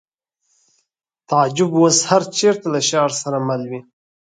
تعجب اوس هر چېرته له شعر سره مل وي